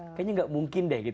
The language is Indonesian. kayaknya nggak mungkin deh